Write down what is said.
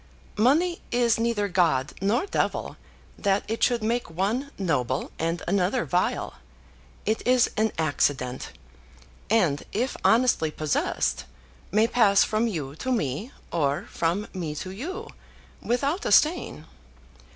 "Money is neither god nor devil, that it should make one noble and another vile. It is an accident, and, if honestly possessed, may pass from you to me, or from me to you, without a stain.